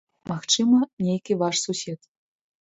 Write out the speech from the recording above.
Магчыма, нейкі ваш сусед.